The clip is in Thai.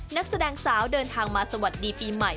นักแสดงสาวเดินทางมาสวัสดีปีใหม่